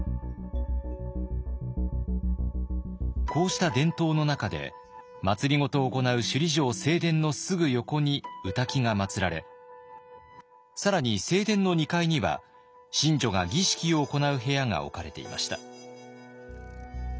こうした伝統の中で政を行う首里城正殿のすぐ横に御嶽がまつられ更に正殿の２階には神女が儀式を行う部屋が置かれていました。